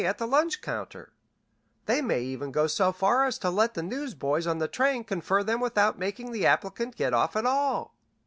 at the lunch counter they may even go so far as to let the newsboys on the train confer them without making the applicant get off at all.